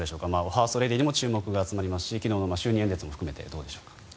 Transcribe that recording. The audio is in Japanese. ファーストレディーにも注目が集まりますし昨日の就任演説も含めていかがでしょうか？